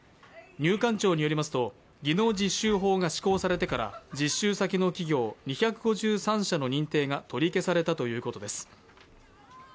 入管庁によりますと、技能実習法が施行されてから実習先の企業２５３社の認定が取り消されたということです。